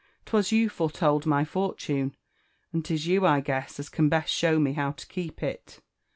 Twas you foretold my fortune ; and *i\$ you, I guess, aft cap best show me how to keep it.